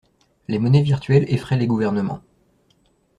Les monnaies virtuelles effraient les gouvernements.